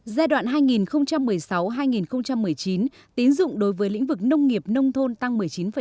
giai đoạn hai nghìn một mươi sáu hai nghìn một mươi chín tín dụng đối với lĩnh vực nông nghiệp nông thôn tăng một mươi chín tám mươi ba